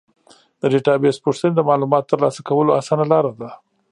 د ډیټابیس پوښتنې د معلوماتو ترلاسه کولو اسانه لاره ده.